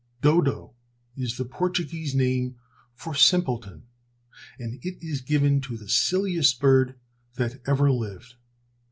Dodo is the Portuguese name for simpleton, and it is given to the silliest bird that ever lived.